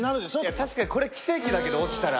確かにこれ奇跡だけど起きたら。